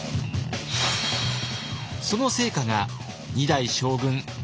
その成果が２代将軍秀忠。